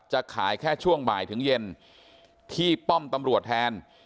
จะขายแค่ช่วงบ่ายถึงเย็นที่ป้อมตำรวจแทน